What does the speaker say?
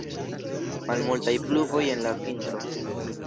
Malmultaj pluvoj en la vintro.